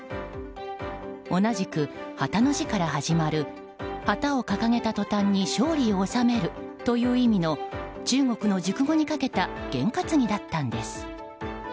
同じく旗の字から始まる旗を掲げたとたんに勝利を収めるという意味の中国の熟語にかけた験担ぎだったんです。